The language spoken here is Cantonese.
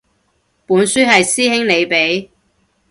本書係師兄你畀